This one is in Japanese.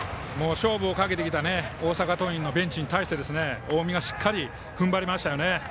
勝負をかけてきた大阪桐蔭のベンチに対して近江がしっかり踏ん張りましたね。